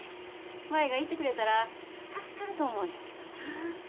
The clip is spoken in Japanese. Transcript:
舞が行ってくれたら助かると思うねんけどな。